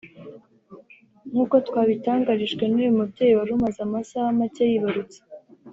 nk'uko twabitangarijwe n'uyu mubyeyi wari umaze amasaha make yibarutse